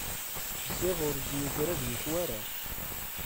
Ziɣ ur d-yegra deg-k wara!